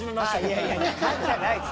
いやいや勘じゃないです